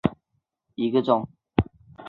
报春茜为茜草科报春茜属下的一个种。